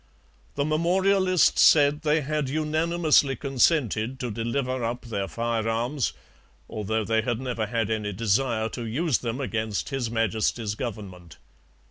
The memorialists said they had unanimously consented to deliver up their firearms, although they had never had any desire to use them against His Majesty's government.